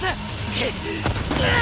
くっ！